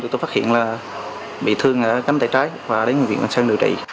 thì tôi phát hiện là bị thương đã chém tay trái và đến bệnh viện bình sơn điều trị